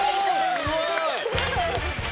すごい！